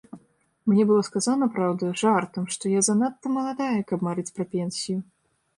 Мне было сказана, праўда, жартам, што я занадта маладая, каб марыць пра пенсію.